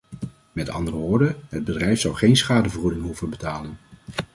Met andere woorden, het bedrijf zal geen schadevergoeding hoeven betalen.